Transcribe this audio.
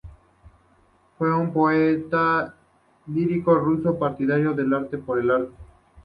Fue un poeta lírico ruso, partidario del arte por el arte.